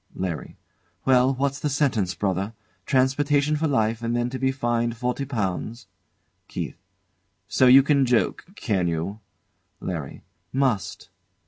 LARRY. Well, what's the sentence, brother? Transportation for life and then to be fined forty pounds'? KEITH. So you can joke, can you? LARRY. Must.